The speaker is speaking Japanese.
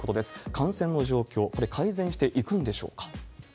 感染の状況、これ、改善していくんでしょうか？